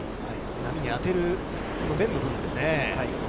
波に当てるその面の部分ですね。